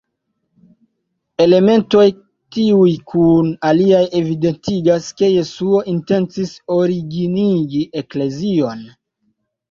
Elementoj tiuj kun aliaj evidentigas ke Jesuo intencis originigi eklezion.